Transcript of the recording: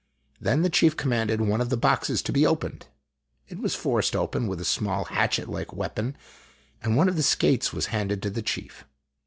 Then the chief commanded one of the boxes to be opened. It was forced open with a small hatchet like weapon, and one of the skates was handed to the chief.